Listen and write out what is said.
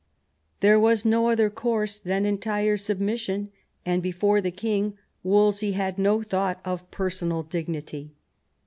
There was no other course than entire submission, and before the king Wolsey had no thought of personal dignity.